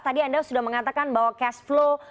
tadi anda sudah mengatakan bahwa cash flow